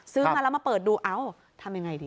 ซื้อมาแล้วมาเปิดดูทำอย่างไรดี